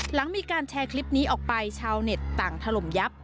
หลังมีการแชร์คลิปนี้ออกไปชาวเน็ตต่างถล่มยับ